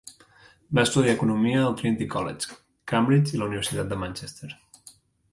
Va estudiar Economia al Trinity College, Cambridge i la Universitat de Manchester.